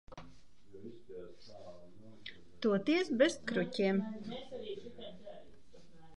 Toties bez kruķiem.